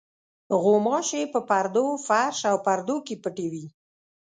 غوماشې په پردو، فرش او پردو کې پټې وي.